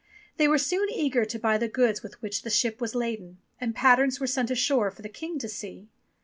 They were soon eager to buy the goods with which the ship was laden, and patterns were sent ashore for the King to see.